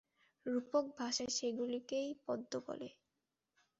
রূপক ভাষায় সেগুলিকেই পদ্ম বলে।